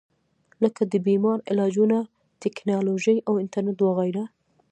لکه د بيمارو علاجونه ، ټېکنالوجي او انټرنيټ وغېره